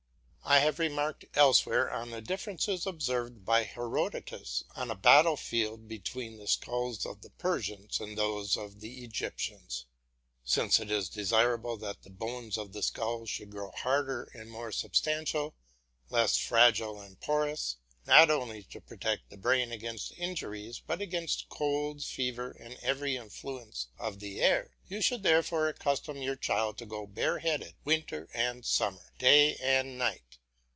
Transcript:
I have remarked elsewhere on the difference observed by Herodotus on a battle field between the skulls of the Persians and those of the Egyptians. Since it is desirable that the bones of the skull should grow harder and more substantial, less fragile and porous, not only to protect the brain against injuries but against colds, fever, and every influence of the air, you should therefore accustom your children to go bare headed winter and summer, day and night.